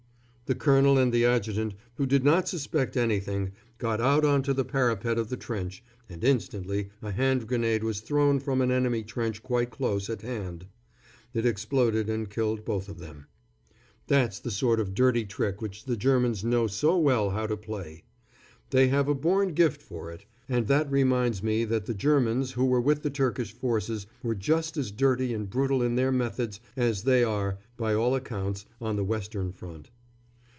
The colonel and the adjutant, who did not suspect anything, got out on to the parapet of the trench, and instantly a hand grenade was thrown from an enemy trench quite close at hand. It exploded and killed both of them. That's the sort of dirty trick which the Germans know so well how to play. They have a born gift for it and that reminds me that the Germans who were with the Turkish forces were just as dirty and brutal in their methods as they are, by all accounts, on the Western front.